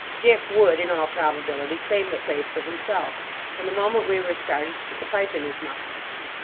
Dick would, in all probability, claim the place for himself; and, the moment we were started, stick a pipe in his mouth.